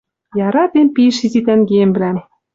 Яратем пиш изи тӓнгемвлӓм!